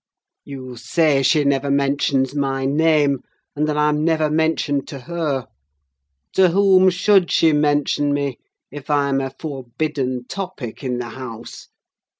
You say she never mentions my name, and that I am never mentioned to her. To whom should she mention me if I am a forbidden topic in the house?